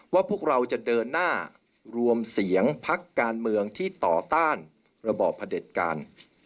พวกเราจะเดินหน้ารวมเสียงพักการเมืองที่ต่อต้านระบอบพระเด็จการ